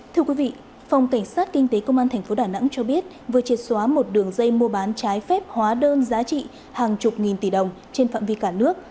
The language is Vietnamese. thưa quý vị phòng cảnh sát kinh tế công an tp đà nẵng cho biết vừa triệt xóa một đường dây mua bán trái phép hóa đơn giá trị hàng chục nghìn tỷ đồng trên phạm vi cả nước